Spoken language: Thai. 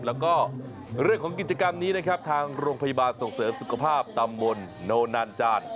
แล้วก็เรื่องของกิจกรรมนี้นะครับทางโรงพยาบาลส่งเสริมสุขภาพตำบลโนนานจาน